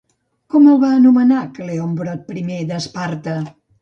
Com el va anomenar Cleombrot I d'Esparta?